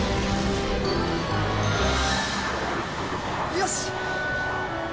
よし！